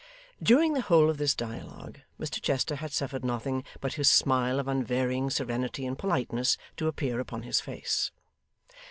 During the whole of this dialogue, Mr Chester had suffered nothing but his smile of unvarying serenity and politeness to appear upon his face.